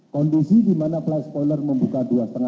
kondisi di mana flight spoiler ini membuka